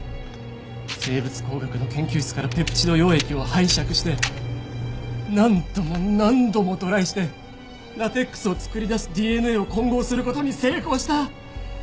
生物工学の研究室からペプチド溶液を拝借して何度も何度もトライしてラテックスを作り出すＤＮＡを混合する事に成功した！